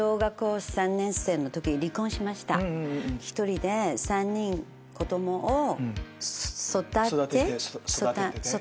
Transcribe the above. １人で３人子供を育てて来た。